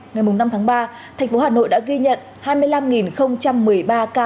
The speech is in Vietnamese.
ngày năm tháng ba thành phố hà nội đã ghi nhận hai mươi năm một mươi ba ca